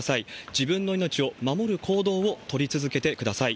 自分の命を守る行動を取り続けてください。